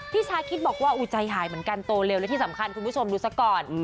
ชาคิดบอกว่าใจหายเหมือนกันโตเร็วและที่สำคัญคุณผู้ชมดูซะก่อน